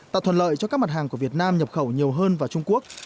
tạo thuận lợi cho các mặt hàng của việt nam nhập khẩu nhiều hơn vào trung quốc